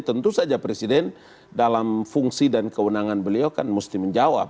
tentu saja presiden dalam fungsi dan kewenangan beliau kan mesti menjawab